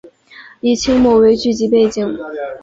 以清末为剧集背景。